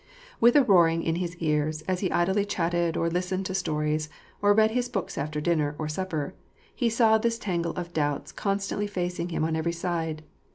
With a roaring in his ears, as he idly chatted, or listened to stories, or read his books after dinner or supper, he saw this tangle of doubts constantly facing him on every side.